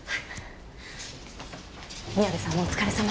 宮部さんもお疲れさま。